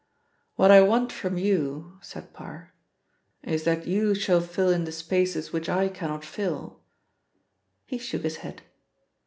"What I want from you," said Parr, "is that you shall fill in the spaces which I cannot fill." He shook his head.